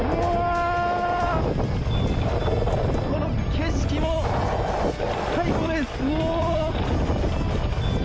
この景色も最高です。